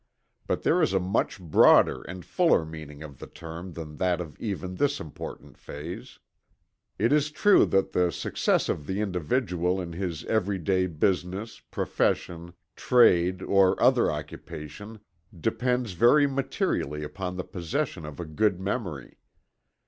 But there is a much broader and fuller meaning of the term than that of even this important phase. It is true that the success of the individual in his every day business, profession, trade or other occupation depends very materially upon the possession of a good memory.